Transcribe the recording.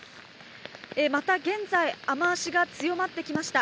また現在、雨足が強まってきました。